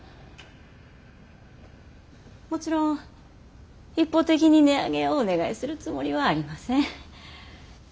もちろん一方的に値上げをお願いするつもりはありません。